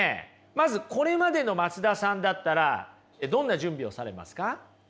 まずこれまでの松田さんだったらどんな準備をされますか？